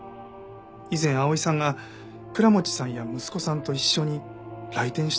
以前碧さんが倉持さんや息子さんと一緒に来店した事があったと。